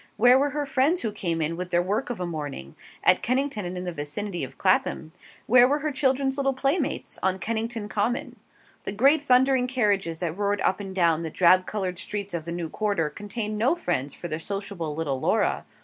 Where were her friends who came in with their work of a morning? At Kennington and in the vicinity of Clapham. 'Where were her children's little playmates? On Kennington Common. The great thundering carriages that roared up and down the drab coloured streets of the new quarter, contained no friends for the sociable little Laura.